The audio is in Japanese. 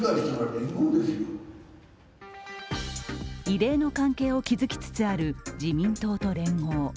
異例の関係を築きつつある自民党と連合。